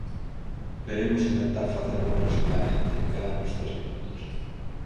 Pero imos intentar facelo moi resumidamente, quédannos tres minutos.